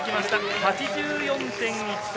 ８４．１３。